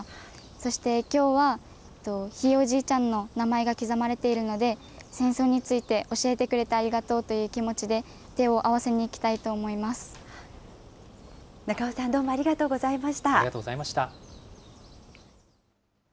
そしてきょうは、ひいおじいちゃんの名前が刻まれているので、戦争について教えてくれてありがとうという気持ちで、手を合わせ仲尾さん、ありがとうございました。